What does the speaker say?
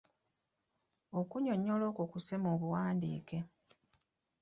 Okunnyonnyola okwo kusse mu buwandiike.